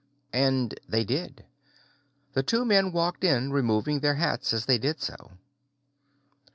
_ And they did. The two men walked in, removing their hats as they did so.